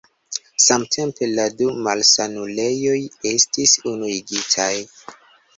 Samtempe la du malsanulejoj estis unuigitaj.